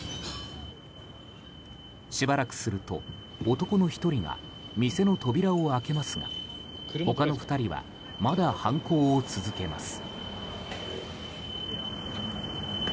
しばらくすると男の１人が店の扉を開けますが他の２人はまだ犯行を続けます。